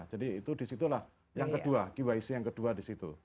jadi itu di situlah yang kedua qic yang kedua di situ